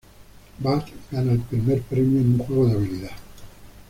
Bart gana el primer premio en un juego de habilidad.